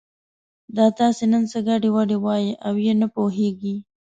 دا تاسې نن څه ګډې وډې وایئ او یې نه پوهېږي.